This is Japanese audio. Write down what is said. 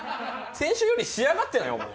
先週より仕上がってない？